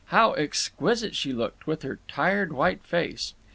How exquisite she looked, with her tired white face!